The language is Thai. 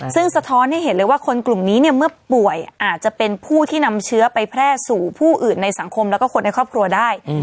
ซึ่งสะท้อนให้เห็นเลยว่าคนกลุ่มนี้เนี่ยเมื่อป่วยอาจจะเป็นผู้ที่นำเชื้อไปแพร่สู่ผู้อื่นในสังคมแล้วก็คนในครอบครัวได้